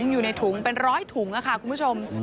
อยู่ในถุงเป็นร้อยถุงค่ะคุณผู้ชม